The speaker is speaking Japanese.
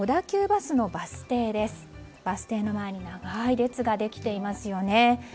バス停の前に長い列ができていますよね。